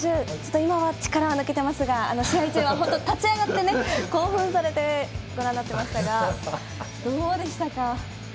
今は力が抜けていますが試合中は立ち上がって興奮されてご覧になっていましたがどうでしたか？